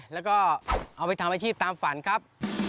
แล้วก็เอาไปทำอาชีพตามฝันครับ